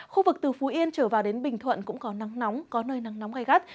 khu vực từ phú yên trở vào đến bình thuận cũng có nắng nóng có nơi nắng nóng gai gắt